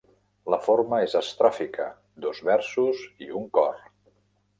La forma és estròfica, dos versos i un cor.